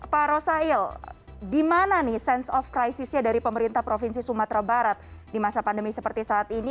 pak rosail di mana nih sense of crisisnya dari pemerintah provinsi sumatera barat di masa pandemi seperti saat ini